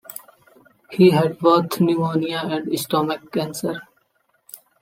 He had both pneumonia and stomach cancer.